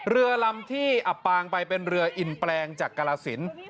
เรือลำที่อับปางไปเป็นเรืออินแปลงจากกรสิน